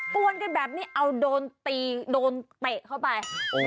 วนกันแบบนี้เอาโดนตีโดนเตะเข้าไป